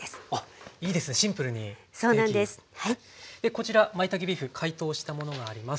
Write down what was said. こちらまいたけビーフ解凍したものがあります。